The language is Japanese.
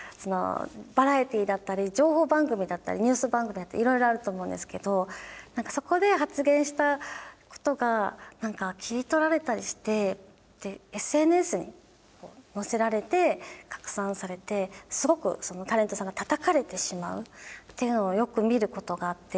バラエティだったり情報番組だったりニュース番組だったりいろいろあると思うんですけどそこで発言したことが何か切り取られたりしてＳＮＳに載せられて拡散されてすごくそのタレントさんがたたかれてしまうっていうのをよく見ることがあって。